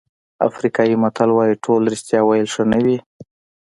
افریقایي متل وایي ټول رښتیا ویل ښه نه دي.